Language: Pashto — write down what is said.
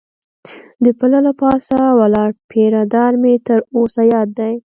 د پله له پاسه ولاړ پیره دار مې تر اوسه یاد دی.